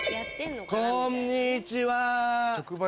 こんにちは！